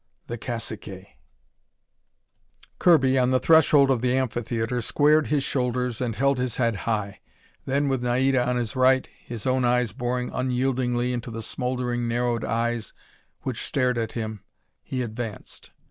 The caciques! Kirby, on the threshold of the amphitheatre, squared his shoulders and held his head high. Then with Naida on his right, his own eyes boring unyieldingly into the smouldering, narrowed eyes which stared at him, he advanced.